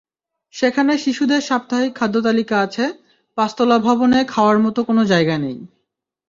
সেখানে শিশুদের সাপ্তাহিক খাদ্যতালিকা আছে, পাঁচতলা ভবনে খাওয়ার মতো কোনো জায়গা নেই।